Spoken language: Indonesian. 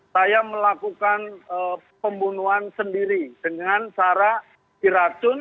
saya melakukan pembunuhan sendiri dengan cara diracun